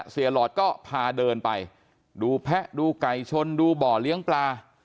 หลอดก็พาเดินไปดูแพะดูไก่ชนดูบ่อเลี้ยงปลา